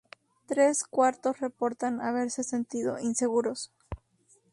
Tres cuartos reportan haberse sentido inseguros.